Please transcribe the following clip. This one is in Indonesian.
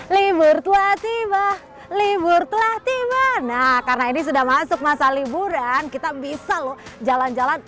libur telah tiba libur telah tiba nah karena ini sudah masuk masa liburan kita bisa loh jalan jalan